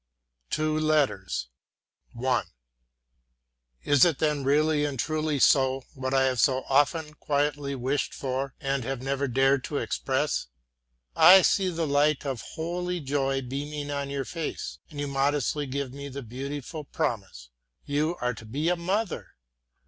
TWO LETTERS I Is it then really and truly so, what I have so often quietly wished for and have never dared to express? I see the light of holy joy beaming on your face, and you modestly give me the beautiful promise. You are to be a mother!